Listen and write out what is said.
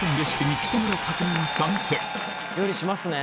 料理しますね。